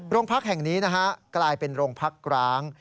โรงพักแห่งนี้นะฮะกลายเป็นโรงพักร้าง